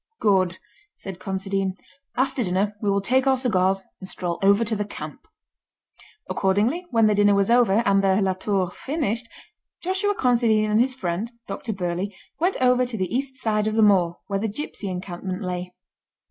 "Good!" said Considine. "After dinner we will take our cigars and stroll over to the camp." Accordingly, when the dinner was over, and the La Tour finished, Joshua Considine and his friend, Dr Burleigh, went over to the east side of the moor, where the gipsy encampment lay.